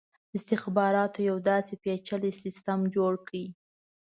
استخباراتو یو داسي پېچلی سسټم جوړ کړ.